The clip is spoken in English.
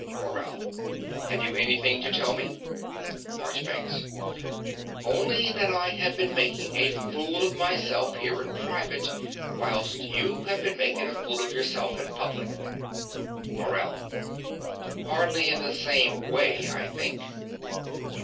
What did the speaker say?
MORELL. Have you anything to tell me? MARCHBANKS. Only that I have been making a fool of myself here in private whilst you have been making a fool of yourself in public. MORELL. Hardly in the same way, I think.